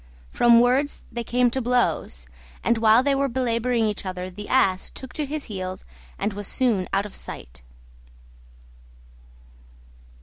From words they came to blows; and while they were belabouring each other the Ass took to his heels and was soon out of sight.